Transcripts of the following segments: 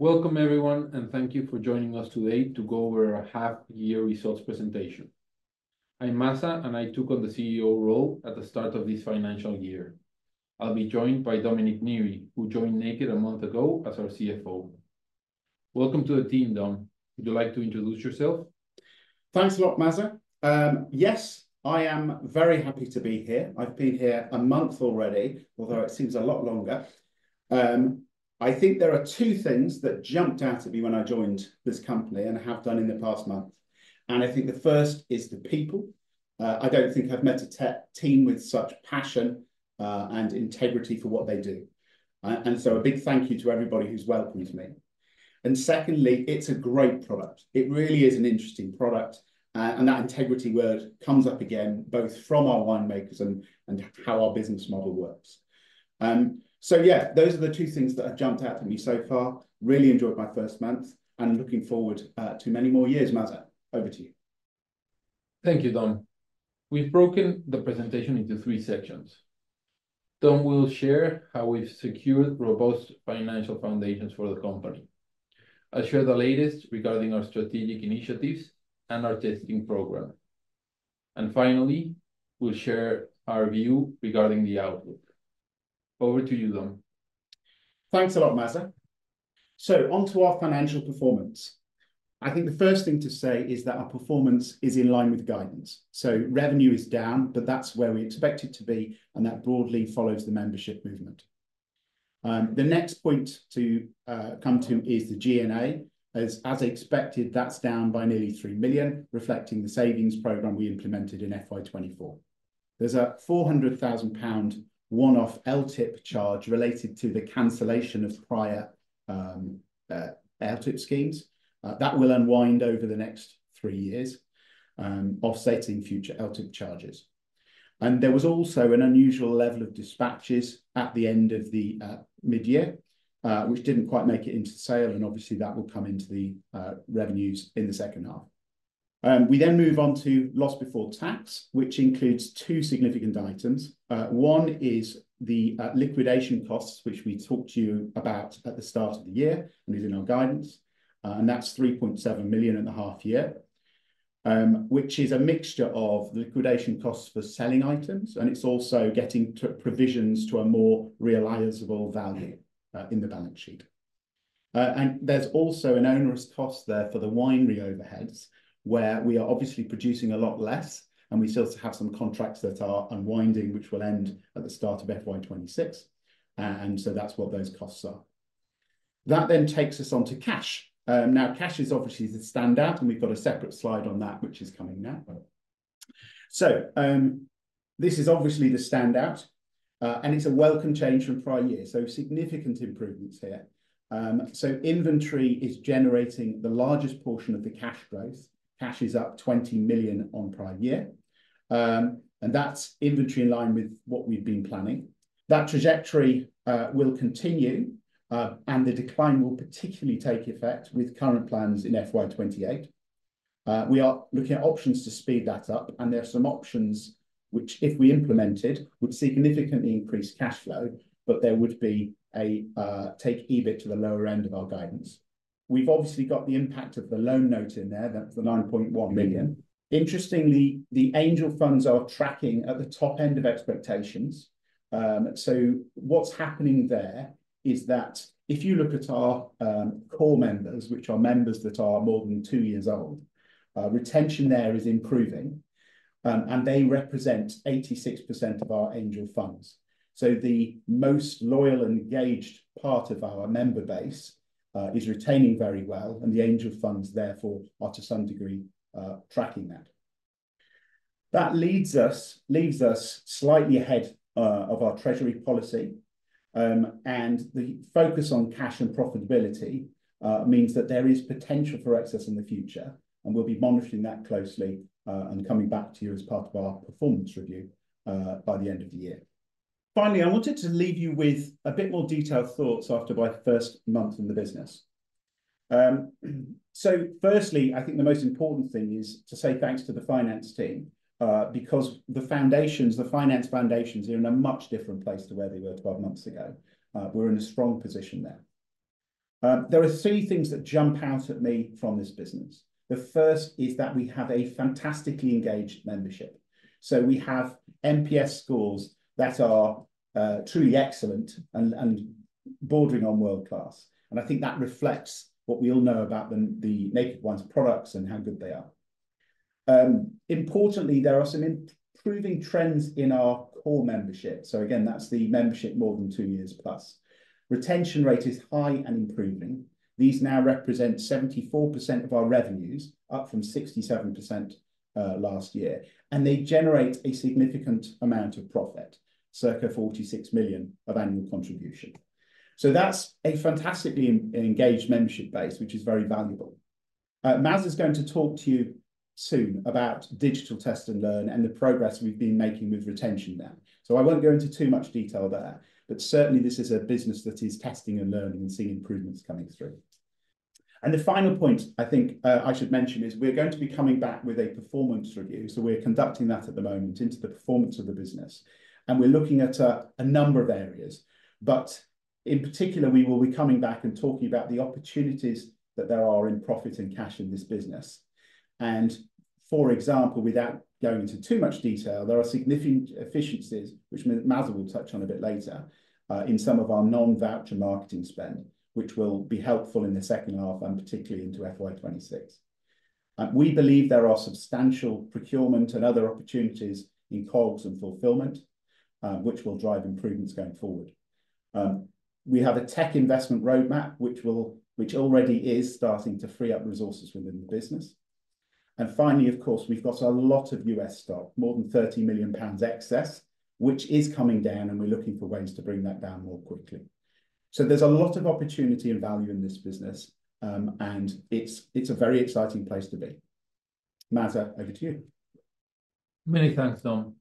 Welcome, everyone, and thank you for joining us today to go over our half-year results presentation. I'm Maza, and I took on the CEO role at the start of this financial year. I'll be joined by Dominic Neary, who joined Naked a month ago as our CFO. Welcome to the team, Dom. Would you like to introduce yourself? Thanks a lot, Maza. Yes, I am very happy to be here. I've been here a month already, although it seems a lot longer. I think there are two things that jumped out at me when I joined this company and have done in the past month. And I think the first is the people. I don't think I've met a team with such passion and integrity for what they do. And so a big thank you to everybody who's welcomed me. And secondly, it's a great product. It really is an interesting product. And that integrity word comes up again, both from our winemakers and how our business model works. So yeah, those are the two things that have jumped out at me so far. Really enjoyed my first month and looking forward to many more years. Maza, over to you. Thank you, Dom. We've broken the presentation into three sections. Dom will share how we've secured robust financial foundations for the company. I'll share the latest regarding our strategic initiatives and our testing program, and finally, we'll share our view regarding the outlook. Over to you, Dom. Thanks a lot, Maza. So on to our financial performance. I think the first thing to say is that our performance is in line with guidance. So revenue is down, but that's where we expect it to be, and that broadly follows the membership movement. The next point to come to is the G&A. As expected, that's down by nearly 3 million, reflecting the savings program we implemented in FY24. There's a 400,000 pound one-off LTIP charge related to the cancellation of prior LTIP schemes. That will unwind over the next three years, offsetting future LTIP charges. And there was also an unusual level of dispatches at the end of the mid-year, which didn't quite make it into sale, and obviously that will come into the revenues in the second half. We then move on to loss before tax, which includes two significant items. One is the liquidation costs, which we talked to you about at the start of the year and is in our guidance, and that's 3.7 million in the half year, which is a mixture of the liquidation costs for selling items, and it's also getting provisions to a more realizable value in the balance sheet, and there's also an onerous cost there for the winery overheads, where we are obviously producing a lot less, and we still have some contracts that are unwinding, which will end at the start of FY26, and so that's what those costs are. That then takes us on to cash. Now, cash is obviously the standout, and we've got a separate slide on that, which is coming now, so this is obviously the standout, and it's a welcome change from prior year, so significant improvements here. Inventory is generating the largest portion of the cash growth. Cash is up 20 million on prior year. That's inventory in line with what we've been planning. That trajectory will continue, and the decline will particularly take effect with current plans in FY28. We are looking at options to speed that up, and there are some options which, if we implemented, would significantly increase cash flow, but there would be a take EBIT to the lower end of our guidance. We've obviously got the impact of the loan note in there, that's the 9.1 million. Interestingly, the Angel Funds are tracking at the top end of expectations. What's happening there is that if you look at our core members, which are members that are more than two years old, retention there is improving, and they represent 86% of our Angel Funds. So the most loyal and engaged part of our member base is retaining very well, and the Angel Funds therefore are to some degree tracking that. That leads us slightly ahead of our treasury policy, and the focus on cash and profitability means that there is potential for excess in the future, and we'll be monitoring that closely and coming back to you as part of our performance review by the end of the year. Finally, I wanted to leave you with a bit more detailed thoughts after my first month in the business. So firstly, I think the most important thing is to say thanks to the finance team, because the finance foundations are in a much different place to where they were 12 months ago. We're in a strong position there. There are three things that jump out at me from this business. The first is that we have a fantastically engaged membership. So we have NPS scores that are truly excellent and bordering on world-class. And I think that reflects what we all know about the Naked Wines products and how good they are. Importantly, there are some improving trends in our core membership. So again, that's the membership more than two years plus. Retention rate is high and improving. These now represent 74% of our revenues, up from 67% last year. And they generate a significant amount of profit, circa 46 million of annual contribution. So that's a fantastically engaged membership base, which is very valuable. Maza is going to talk to you soon about digital test and learn and the progress we've been making with retention there. So I won't go into too much detail there, but certainly this is a business that is testing and learning and seeing improvements coming through. And the final point I think I should mention is we're going to be coming back with a performance review. So we're conducting that at the moment into the performance of the business. And we're looking at a number of areas, but in particular, we will be coming back and talking about the opportunities that there are in profit and cash in this business. And for example, without going into too much detail, there are significant efficiencies, which Maza will touch on a bit later, in some of our non-voucher marketing spend, which will be helpful in the second half and particularly into FY26. We believe there are substantial procurement and other opportunities in COGS and fulfillment, which will drive improvements going forward. We have a tech investment roadmap, which already is starting to free up resources within the business. And finally, of course, we've got a lot of U.S. stock, more than 30 million pounds excess, which is coming down, and we're looking for ways to bring that down more quickly. So there's a lot of opportunity and value in this business, and it's a very exciting place to be. Maza, over to you. Many thanks, Dom.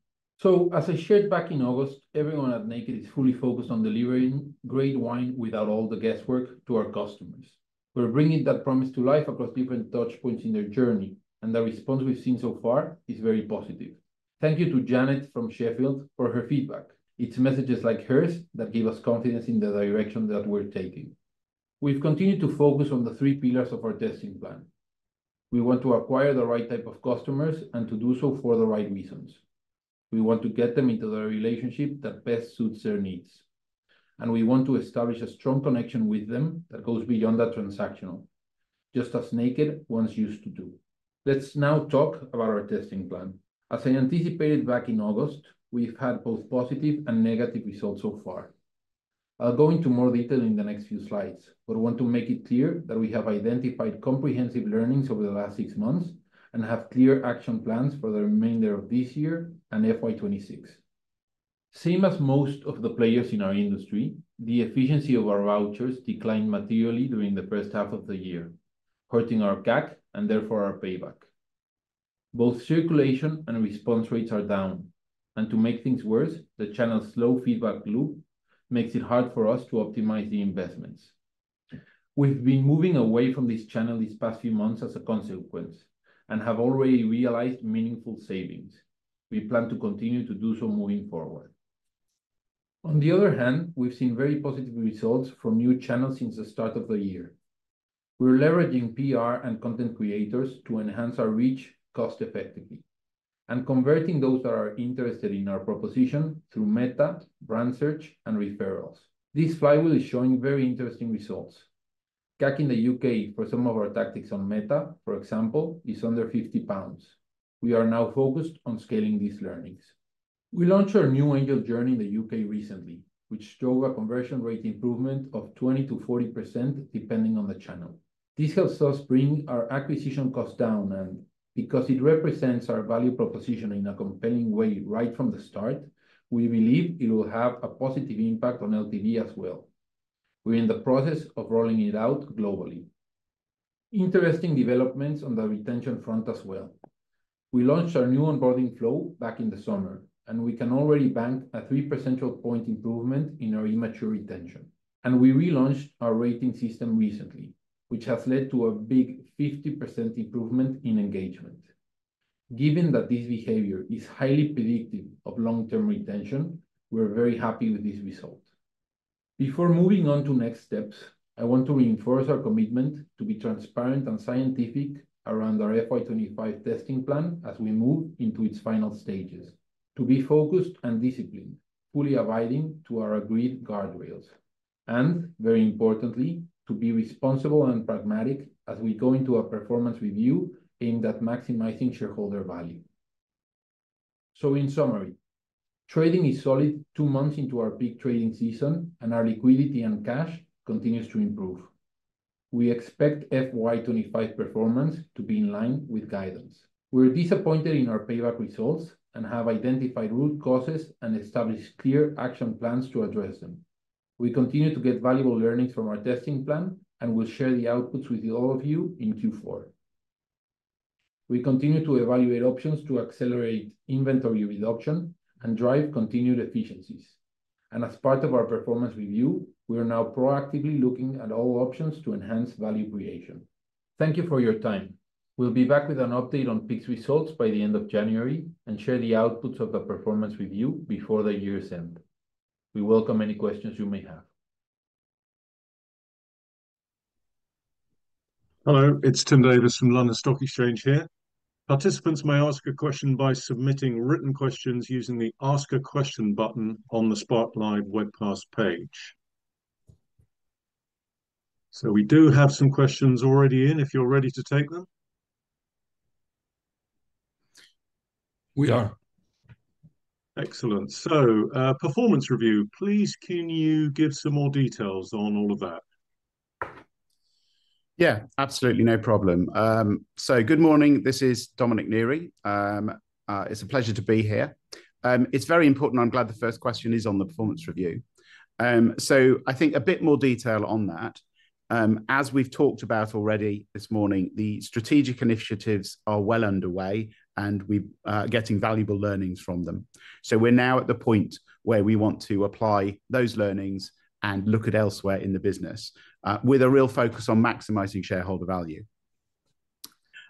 So as I shared back in August, everyone at Naked is fully focused on delivering great wine without all the guesswork to our customers. We're bringing that promise to life across different touchpoints in their journey, and the response we've seen so far is very positive. Thank you to Janet from Sheffield for her feedback. It's messages like hers that give us confidence in the direction that we're taking. We've continued to focus on the three pillars of our testing plan. We want to acquire the right type of customers and to do so for the right reasons. We want to get them into the relationship that best suits their needs. And we want to establish a strong connection with them that goes beyond that transactional, just as Naked once used to do. Let's now talk about our testing plan. As I anticipated back in August, we've had both positive and negative results so far. I'll go into more detail in the next few slides, but I want to make it clear that we have identified comprehensive learnings over the last six months and have clear action plans for the remainder of this year and FY26. Same as most of the players in our industry, the efficiency of our vouchers declined materially during the first half of the year, hurting our CAC and therefore our payback. Both circulation and response rates are down, and to make things worse, the channel's slow feedback loop makes it hard for us to optimize the investments. We've been moving away from this channel these past few months as a consequence and have already realized meaningful savings. We plan to continue to do so moving forward. On the other hand, we've seen very positive results from new channels since the start of the year. We're leveraging PR and content creators to enhance our reach cost-effectively and converting those that are interested in our proposition through Meta, brand search, and referrals. This flywheel is showing very interesting results. CAC in the U.K. for some of our tactics on Meta, for example, is under 50 pounds. We are now focused on scaling these learnings. We launched our new Angel journey in the U.K. recently, which drove a conversion rate improvement of 20%-40% depending on the channel. This helps us bring our acquisition cost down, and because it represents our value proposition in a compelling way right from the start, we believe it will have a positive impact on LTV as well. We're in the process of rolling it out globally. Interesting developments on the retention front as well. We launched our new onboarding flow back in the summer, and we can already bank a three percentage point improvement in our immature retention. And we relaunched our rating system recently, which has led to a big 50% improvement in engagement. Given that this behavior is highly predictive of long-term retention, we're very happy with this result. Before moving on to next steps, I want to reinforce our commitment to be transparent and scientific around our FY25 testing plan as we move into its final stages, to be focused and disciplined, fully abiding to our agreed guardrails, and very importantly, to be responsible and pragmatic as we go into a performance review aimed at maximizing shareholder value, so in summary, trading is solid two months into our peak trading season, and our liquidity and cash continues to improve. We expect FY25 performance to be in line with guidance. We're disappointed in our payback results and have identified root causes and established clear action plans to address them. We continue to get valuable learnings from our testing plan and will share the outputs with all of you in Q4. We continue to evaluate options to accelerate inventory reduction and drive continued efficiencies, and as part of our performance review, we are now proactively looking at all options to enhance value creation. Thank you for your time. We'll be back with an update on peak results by the end of January and share the outputs of the performance review before the year's end. We welcome any questions you may have. Hello, it's Tim Davis from London Stock Exchange here. Participants may ask a question by submitting written questions using the Ask a Question button on the SparkLive webcast page. So we do have some questions already in. If you're ready to take them. We are. Excellent. So performance review, please can you give some more details on all of that? Yeah, absolutely. No problem. So, good morning. This is Dominic Neary. It's a pleasure to be here. It's very important. I'm glad the first question is on the performance review. So, I think a bit more detail on that. As we've talked about already this morning, the strategic initiatives are well underway, and we're getting valuable learnings from them. So, we're now at the point where we want to apply those learnings and look at elsewhere in the business with a real focus on maximizing shareholder value.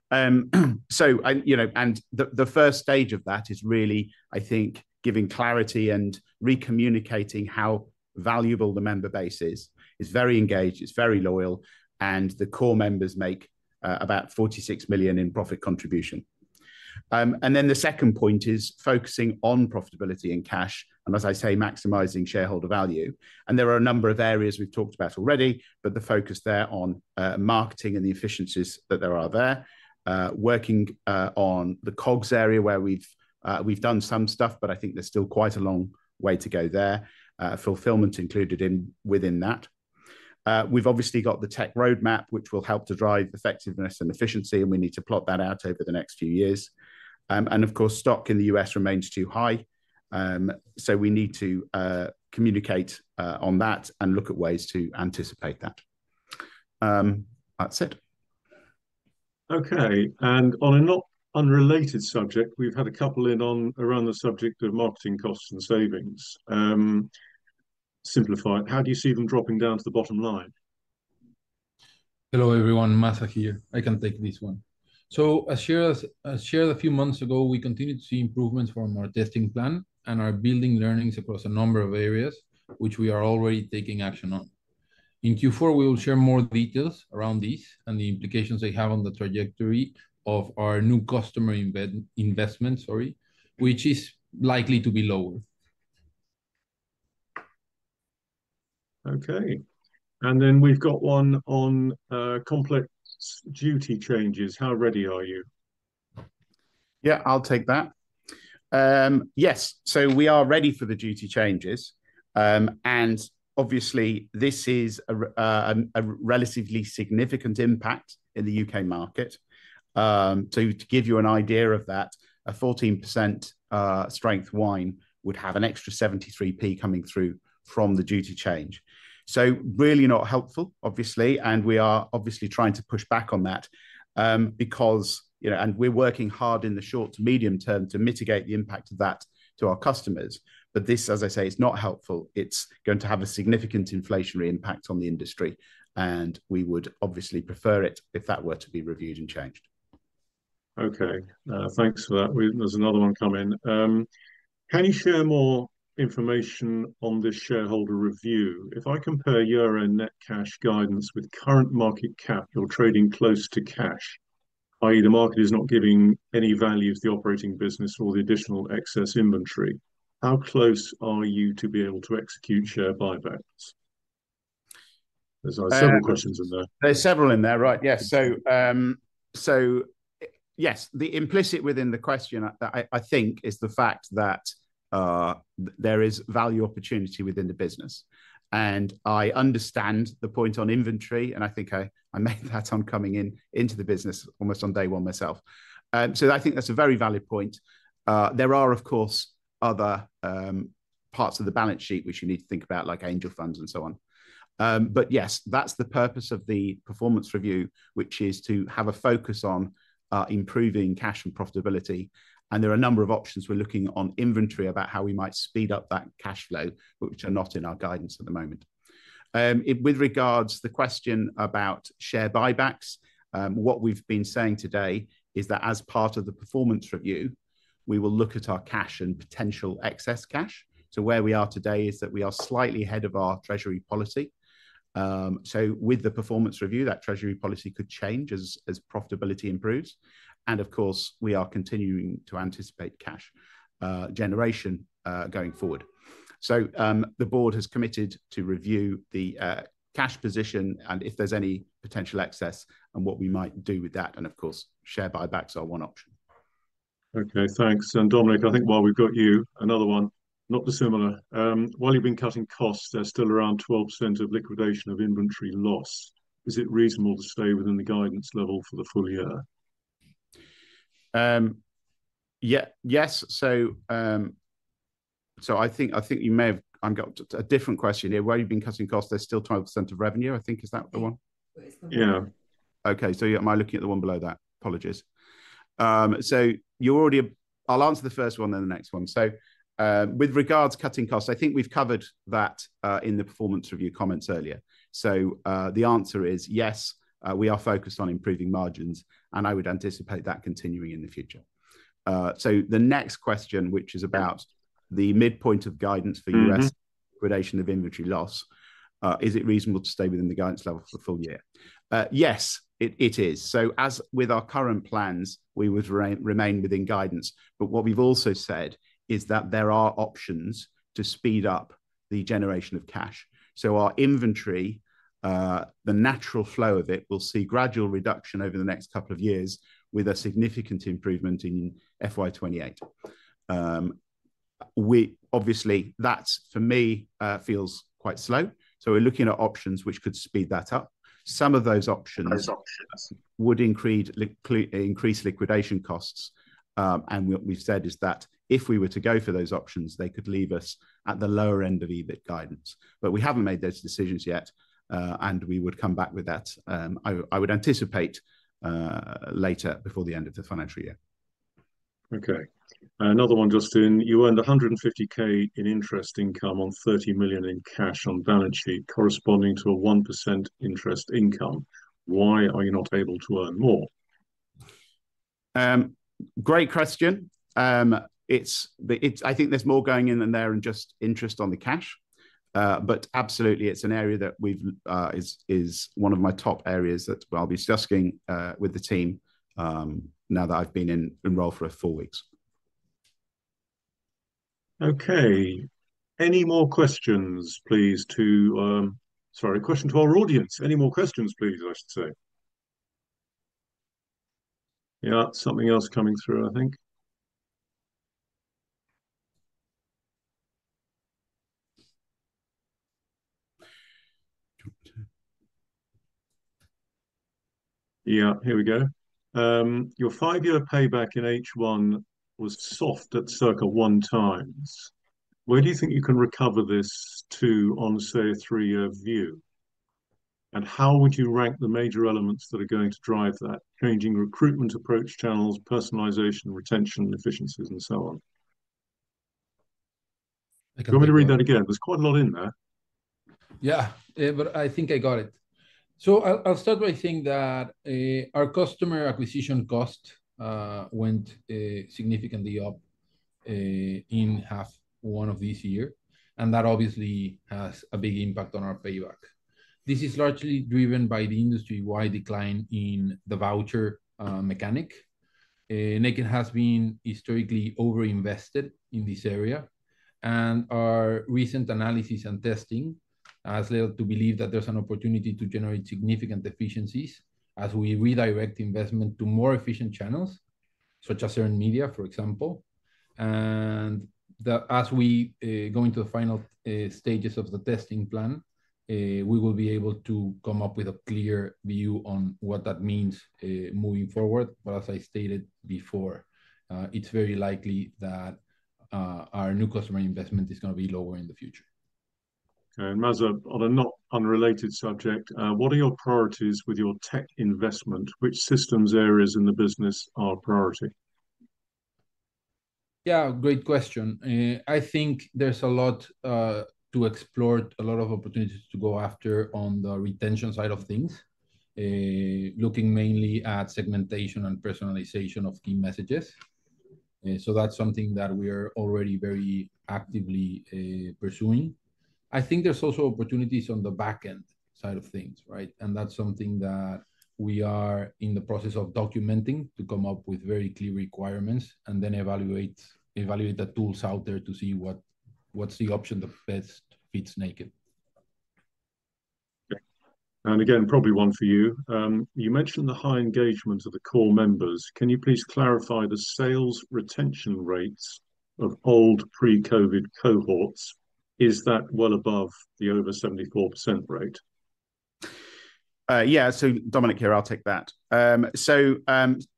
And the first stage of that is really, I think, giving clarity and recommunicating how valuable the member base is. It's very engaged. It's very loyal. And the core members make about 46 million in profit contribution. And then the second point is focusing on profitability and cash, and as I say, maximizing shareholder value. There are a number of areas we've talked about already, but the focus there on marketing and the efficiencies that there are there, working on the COGS area where we've done some stuff, but I think there's still quite a long way to go there, fulfillment included within that. We've obviously got the tech roadmap, which will help to drive effectiveness and efficiency, and we need to plot that out over the next few years. Of course, stock in the U.S. remains too high. We need to communicate on that and look at ways to anticipate that. That's it. Okay, and on a not unrelated subject, we've had a couple in on around the subject of marketing costs and savings. Simplify it. How do you see them dropping down to the bottom line? Hello everyone, Maza here. I can take this one. So as shared a few months ago, we continue to see improvements from our testing plan and are building learnings across a number of areas, which we are already taking action on. In Q4, we will share more details around these and the implications they have on the trajectory of our new customer investment, sorry, which is likely to be lower. Okay, and then we've got one on complex duty changes. How ready are you? Yeah, I'll take that. Yes. So we are ready for the duty changes. And obviously, this is a relatively significant impact in the U.K. market. So to give you an idea of that, a 14% strength wine would have an extra 0.73 coming through from the duty change. So really not helpful, obviously. And we are obviously trying to push back on that because, and we're working hard in the short to medium term to mitigate the impact of that to our customers. But this, as I say, is not helpful. It's going to have a significant inflationary impact on the industry, and we would obviously prefer it if that were to be reviewed and changed. Okay. Thanks for that. There's another one coming. Can you share more information on this shareholder review? If I compare your own net cash guidance with current market cap, you're trading close to cash, i.e., the market is not giving any value to the operating business or the additional excess inventory. How close are you to be able to execute share buybacks? There are several questions in there. There are several in there, right? Yes. So yes, the implicit within the question, I think, is the fact that there is value opportunity within the business. And I understand the point on inventory, and I think I made that on coming into the business almost on day one myself. So I think that's a very valid point. There are, of course, other parts of the balance sheet which you need to think about, like Angel Funds and so on. But yes, that's the purpose of the performance review, which is to have a focus on improving cash and profitability. And there are a number of options. We're looking on inventory about how we might speed up that cash flow, which are not in our guidance at the moment. With regards to the question about share buybacks, what we've been saying today is that as part of the performance review, we will look at our cash and potential excess cash. So where we are today is that we are slightly ahead of our treasury policy. So with the performance review, that treasury policy could change as profitability improves. And of course, we are continuing to anticipate cash generation going forward. So the board has committed to review the cash position and if there's any potential excess and what we might do with that. And of course, share buybacks are one option. Okay. Thanks, and Dominic, I think while we've got you, another one, not dissimilar. While you've been cutting costs, there's still around 12% of liquidation of inventory loss. Is it reasonable to stay within the guidance level for the full year? Yes. So I think you may have got a different question here. While you've been cutting costs, there's still 12% of revenue, I think, is that the one? Yeah. Okay. So am I looking at the one below that? Apologies. So I'll answer the first one, then the next one. So with regards to cutting costs, I think we've covered that in the performance review comments earlier. So the answer is yes, we are focused on improving margins, and I would anticipate that continuing in the future. So the next question, which is about the midpoint of guidance for U.S. liquidation of inventory loss, is it reasonable to stay within the guidance level for the full year? Yes, it is. So as with our current plans, we would remain within guidance. But what we've also said is that there are options to speed up the generation of cash. So our inventory, the natural flow of it, will see gradual reduction over the next couple of years with a significant improvement in FY28. Obviously, that for me feels quite slow. So we're looking at options which could speed that up. Some of those options would increase liquidation costs. And what we've said is that if we were to go for those options, they could leave us at the lower end of EBIT guidance. But we haven't made those decisions yet, and we would come back with that. I would anticipate later before the end of the financial year. Okay. Another one, just in. You earned 150k in interest income on 30 million in cash on balance sheet corresponding to a 1% interest income. Why are you not able to earn more? Great question. I think there's more going on than there is in just interest on the cash. But absolutely, it's an area that is one of my top areas that I'll be discussing with the team now that I've been in role for four weeks. Okay. Any more questions, please, to - sorry, question to our audience. Any more questions, please, I should say. Yeah, something else coming through, I think. Yeah, here we go. Your five-year payback in H1 was soft at circa one times. Where do you think you can recover this to on a three-year view? And how would you rank the major elements that are going to drive that? Changing recruitment approach channels, personalization, retention, efficiencies, and so on. Do you want me to read that again? There's quite a lot in there. Yeah, but I think I got it, so I'll start by saying that our customer acquisition cost went significantly up in half one of this year, and that obviously has a big impact on our payback. This is largely driven by the industry-wide decline in the voucher mechanism. Naked has been historically overinvested in this area, and our recent analysis and testing has led to believe that there's an opportunity to generate significant efficiencies as we redirect investment to more efficient channels, such as earned media, for example. And as we go into the final stages of the testing plan, we will be able to come up with a clear view on what that means moving forward, but as I stated before, it's very likely that our new customer investment is going to be lower in the future. Maza, on a not unrelated subject, what are your priorities with your tech investment? Which systems areas in the business are a priority? Yeah, great question. I think there's a lot to explore, a lot of opportunities to go after on the retention side of things, looking mainly at segmentation and personalization of key messages. So that's something that we are already very actively pursuing. I think there's also opportunities on the backend side of things, right? And that's something that we are in the process of documenting to come up with very clear requirements and then evaluate the tools out there to see what's the option that best fits Naked. Again, probably one for you. You mentioned the high engagement of the core members. Can you please clarify the sales retention rates of old pre-COVID cohorts? Is that well above the over 74% rate? Yeah. So Dominic here, I'll take that, so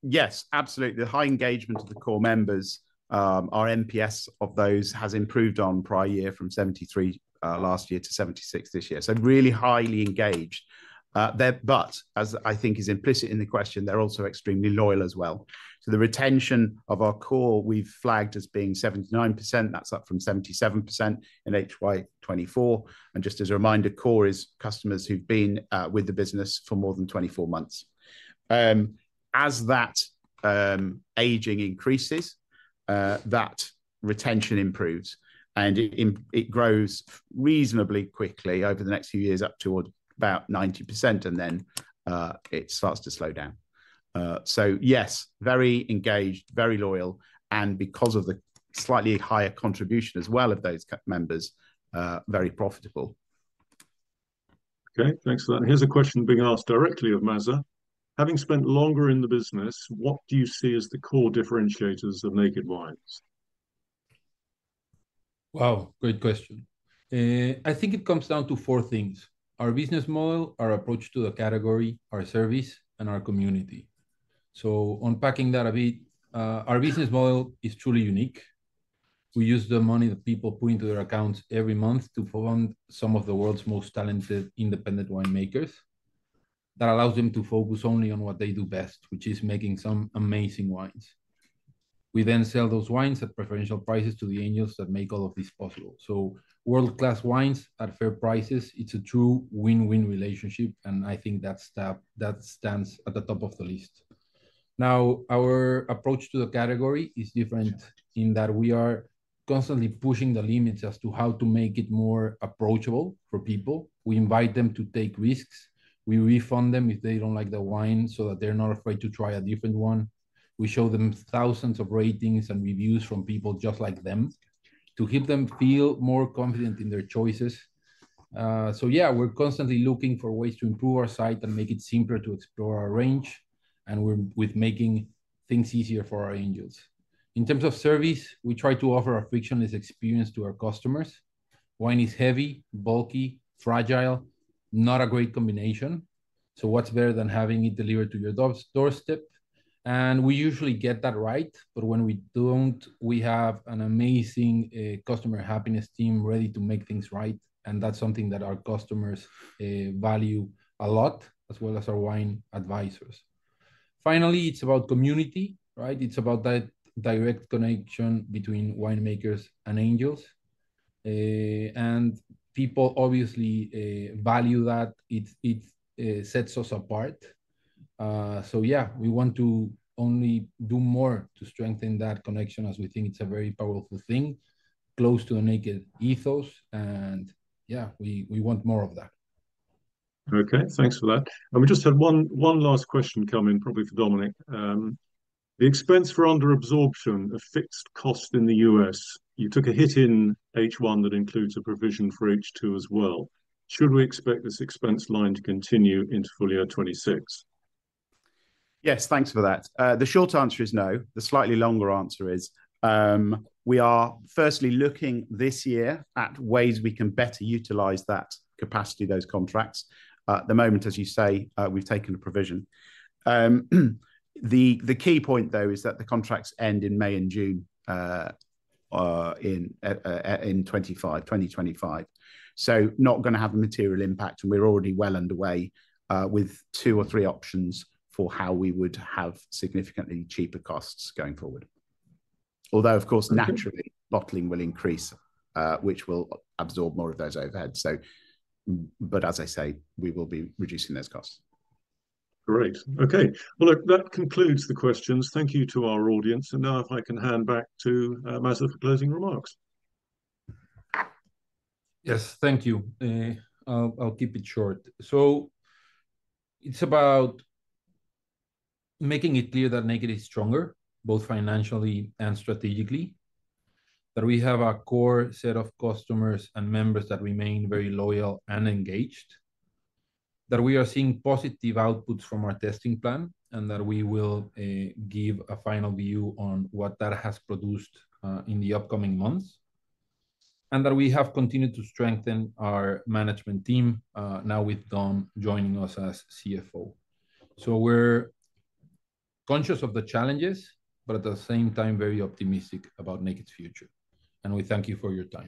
yes, absolutely, the high engagement of the core members, our NPS of those has improved on prior year from 73 last year to 76 this year, so really highly engaged, but as I think is implicit in the question, they're also extremely loyal as well, so the retention of our core we've flagged as being 79%, that's up from 77% in HY24, and just as a reminder, core is customers who've been with the business for more than 24 months. As that aging increases, that retention improves, and it grows reasonably quickly over the next few years up toward about 90%, and then it starts to slow down, so yes, very engaged, very loyal, and because of the slightly higher contribution as well of those members, very profitable. Okay. Thanks for that. Here's a question being asked directly of Maza. Having spent longer in the business, what do you see as the core differentiators of Naked Wines? Wow, great question. I think it comes down to four things: our business model, our approach to the category, our service, and our community. So unpacking that a bit, our business model is truly unique. We use the money that people put into their accounts every month to fund some of the world's most talented independent winemakers. That allows them to focus only on what they do best, which is making some amazing wines. We then sell those wines at preferential prices to the Angels that make all of this possible. So world-class wines at fair prices, it's a true win-win relationship, and I think that stands at the top of the list. Now, our approach to the category is different in that we are constantly pushing the limits as to how to make it more approachable for people. We invite them to take risks. We refund them if they don't like the wine so that they're not afraid to try a different one. We show them thousands of ratings and reviews from people just like them to help them feel more confident in their choices. So yeah, we're constantly looking for ways to improve our site and make it simpler to explore our range, and we're making things easier for our Angels. In terms of service, we try to offer a frictionless experience to our customers. Wine is heavy, bulky, fragile, not a great combination. So what's better than having it delivered to your doorstep? And we usually get that right, but when we don't, we have an amazing Customer Happiness Team ready to make things right. And that's something that our customers value a lot, as well as our wine advisors. Finally, it's about community, right? It's about that direct connection between winemakers and Angels. And people obviously value that. It sets us apart. So yeah, we want to only do more to strengthen that connection as we think it's a very powerful thing, close to the Naked ethos. And yeah, we want more of that. Okay. Thanks for that. And we just had one last question come in, probably for Dominic. The expense for underabsorption, a fixed cost in the U.S., you took a hit in H1 that includes a provision for H2 as well. Should we expect this expense line to continue into full year 2026? Yes, thanks for that. The short answer is no. The slightly longer answer is we are firstly looking this year at ways we can better utilize that capacity, those contracts. At the moment, as you say, we've taken a provision. The key point, though, is that the contracts end in May and June in 2025, so not going to have a material impact, and we're already well underway with two or three options for how we would have significantly cheaper costs going forward. Although, of course, naturally, bottling will increase, which will absorb more of those overheads, but as I say, we will be reducing those costs. Great. Okay. Well, look, that concludes the questions. Thank you to our audience, and now, if I can hand back to Maza for closing remarks. Yes, thank you. I'll keep it short. So it's about making it clear that Naked is stronger, both financially and strategically, that we have a core set of customers and members that remain very loyal and engaged, that we are seeing positive outputs from our testing plan, and that we will give a final view on what that has produced in the upcoming months, and that we have continued to strengthen our management team, now with Dom joining us as CFO. So we're conscious of the challenges, but at the same time, very optimistic about Naked's future. And we thank you for your time.